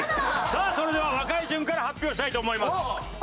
さあそれでは若い順から発表したいと思います。